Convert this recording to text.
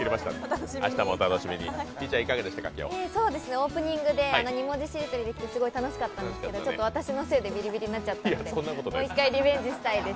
オープニングで２文字しりとりができて楽しかったんですけどちょっと私のせいでビリビリになっちゃったので、もう一回リベンジしたいです。